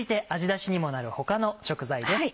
ダシにもなる他の食材です。